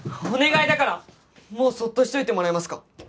お願いだからもうそっとしておいてもらえますか？